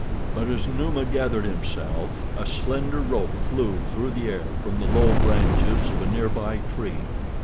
But as Numa gathered himself, a slender rope flew through the air from the low branches of a near by tree.